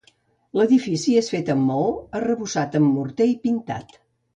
L'edifici és fet amb maó, arrebossat amb morter i pintat.